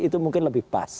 itu mungkin lebih pas